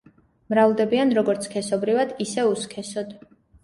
მრავლდებიან როგორც სქესობრივად, ისე უსქესოდ.